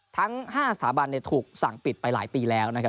ทั้ง๕สถาบันถูกสั่งปิดไปหลายปีแล้วนะครับ